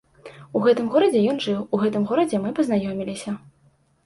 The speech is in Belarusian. У гэтым горадзе ён жыў, у гэтым горадзе мы пазнаёміліся.